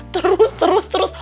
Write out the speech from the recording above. terus terus terus